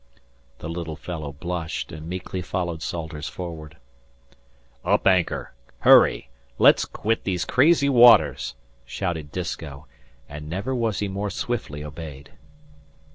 The little fellow blushed and meekly followed Salters forward. "Up anchor! Hurry! Let's quit these crazy waters," shouted Disko, and never was he more swiftly obeyed.